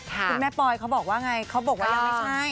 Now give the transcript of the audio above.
คุณแม่ปอยเบาะไงเขาบอกไว้ไม่ใช่